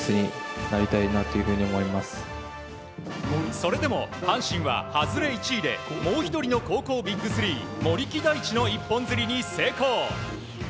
それでも阪神は、外れ１位でもう１人の高校ＢＩＧ３森木大智の一本釣りに成功。